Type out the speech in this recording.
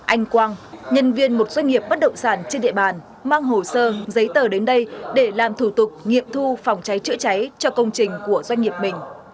anh quang nhân viên một doanh nghiệp bất động sản trên địa bàn mang hồ sơ giấy tờ đến đây để làm thủ tục nghiệm thu phòng cháy chữa cháy cho công trình của doanh nghiệp mình